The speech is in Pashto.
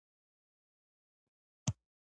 دا عنصرونه په خپل وروستي قشر کې یو الکترون لري.